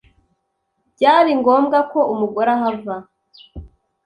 Byari ngombwa ko umugore ahava,